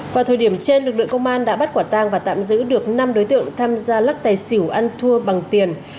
vào thời điểm trên lực lượng công an đã bắt quả tang và tạm giữ được năm đối tượng tham gia lắc tài xỉu ăn thua bằng tiền